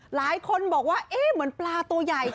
หลายคนบอกว่าเอ๊ะเหมือนปลาตัวใหญ่